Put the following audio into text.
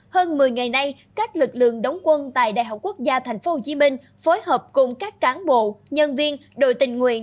hơn một mươi ngày nay các lực lượng đóng quân tại đại học quốc gia tp hcm phối hợp cùng các cán bộ nhân viên đội tình nguyện